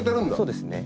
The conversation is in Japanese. そうですね。